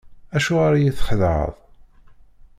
Acuɣer i yi-txedɛeḍ?